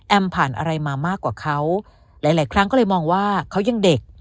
ผ่านอะไรมามากกว่าเขาหลายครั้งก็เลยมองว่าเขายังเด็ก